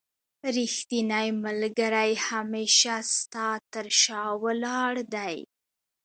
رښتينی ملګری هميشه ستا تر شا ولاړ دی